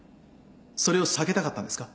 それを避けたかったんですか。